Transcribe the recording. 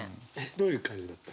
どういう感じだった？